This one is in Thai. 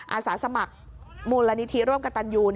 อาสาสมัครมูลนิธิร่วมกับตันยู